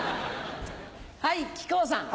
はい木久扇さん。